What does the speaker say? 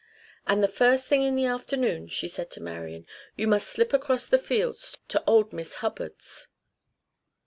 "And the first thing in the afternoon," she said to Marian, "you must slip across the fields to old Miss Hubbard's."